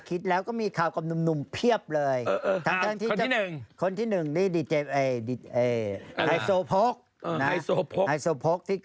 พอแล้วล่ะเดี๋ยวโดนจับ